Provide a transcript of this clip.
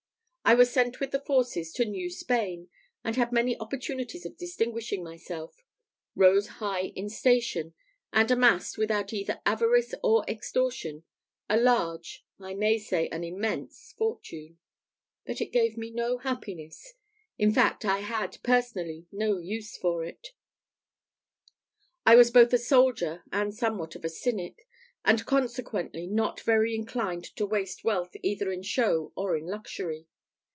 I was sent with the forces to New Spain; had many opportunities of distinguishing myself; rose high in station; and amassed, without either avarice or extortion, a large, I may say an immense fortune. But it gave me no happiness in fact, I had, personally, no use for it. I was both a soldier and somewhat of a cynic, and consequently not very much inclined to waste wealth either in show or in luxury.